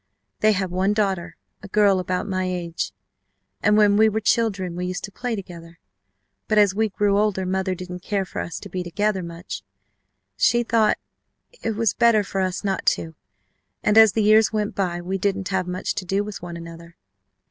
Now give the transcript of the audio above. They had one daughter, a girl about my age, and when we were children we used to play together, but as we grew older mother didn't care for us to be together much. She thought it was better for us not to and as the years went by we didn't have much to do with one another.